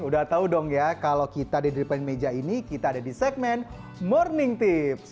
udah tau dong ya kalau kita di depan meja ini kita ada di segmen morning tips